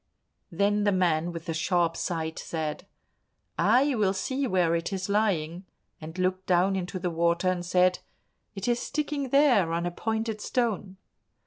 Then the man with the sharp sight said, "I will see where it is lying," and looked down into the water and said, "It is sticking there, on a pointed stone."